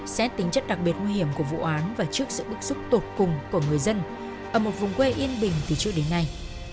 xét tính chất đặc biệt nguy hiểm của vụ án và trước sự bức xúc tột cùng của người dân ở một vùng quê yên bình từ trước đến nay